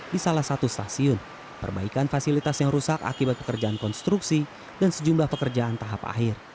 di salah satu stasiun perbaikan fasilitas yang rusak akibat pekerjaan konstruksi dan sejumlah pekerjaan tahap akhir